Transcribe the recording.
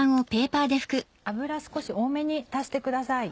油少し多めに足してください。